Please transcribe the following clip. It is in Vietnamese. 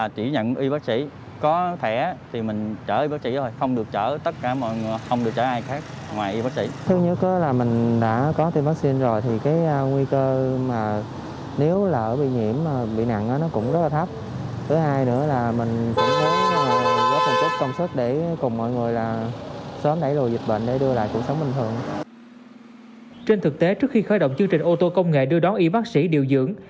trên thực tế trước khi khởi động chương trình ô tô công nghệ đưa đón y bác sĩ điều dưỡng